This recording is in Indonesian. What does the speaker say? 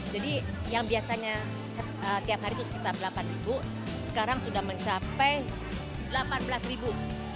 jadi yang biasanya tiap hari itu sekitar delapan ribu sekarang sudah mencapai delapan belas ribu